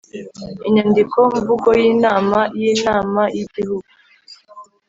inyandiko mvugoy inama y Inama y Igihugu